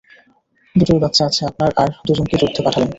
দুটোই বাচ্চা আছে আপনার আর দুজনকেই যুদ্ধে পাঠালেন!